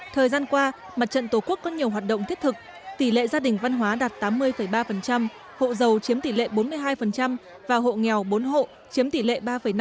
thời gian qua mặt trận tổ quốc có nhiều hoạt động thiết thực tỷ lệ gia đình văn hóa đạt tám mươi ba hộ giàu chiếm tỷ lệ bốn mươi hai và hộ nghèo bốn hộ chiếm tỷ lệ ba năm